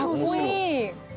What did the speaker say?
かっこいい！